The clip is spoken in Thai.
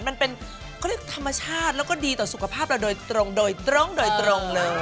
มันเป็นเขาเรียกว่าธรรมชาติแล้วก็ดีต่อสุขภาพเราโดยตรงเลย